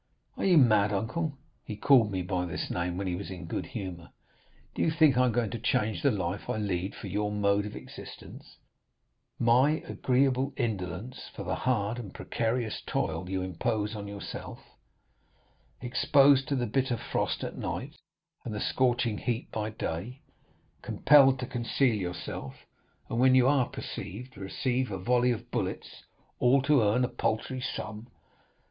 "'Are you mad, uncle?' (he called me by this name when he was in good humor); 'do you think I am going to change the life I lead for your mode of existence—my agreeable indolence for the hard and precarious toil you impose on yourself, exposed to the bitter frost at night, and the scorching heat by day, compelled to conceal yourself, and when you are perceived, receive a volley of bullets, all to earn a paltry sum?